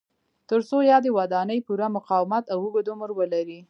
ترڅو یادې ودانۍ پوره مقاومت او اوږد عمر ولري.